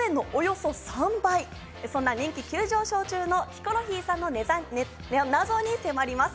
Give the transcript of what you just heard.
そんな人気急上昇中のヒコロヒーさんの謎に迫ります。